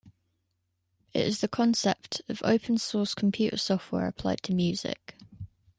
It is the concept of "open source" computer software applied to music.